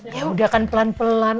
ya udah kan pelan pelan